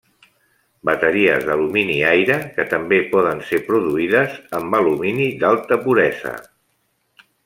Bateries d'alumini-aire que també poden ser produïdes amb alumini d'alta puresa.